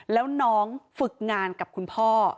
แล้วน้องฝึกงานกับคุณพ่อ